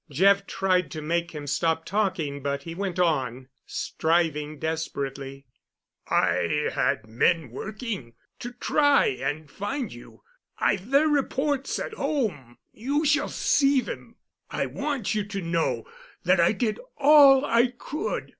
Jeff tried to make him stop talking, but he went on, striving desperately: "I had men working—to try and find you. I've their reports at home—you shall see them. I want you to know that I did all I could.